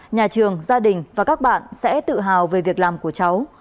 nhà trường gia đình và các bạn sẽ tự hào về việc làm của cháu